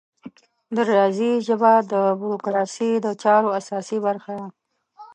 د ریاضي ژبه د بروکراسي د چارو اساسي برخه ده.